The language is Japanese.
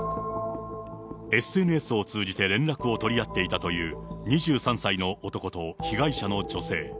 ＳＮＳを通じて連絡を取り合っていたという、２３歳の男と被害者の女性。